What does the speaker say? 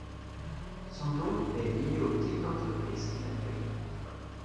Son nom est lié au type d'entreprises qu'il accueille.